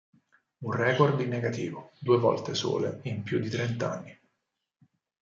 Un record in negativo: due volte sole in più di trent'anni.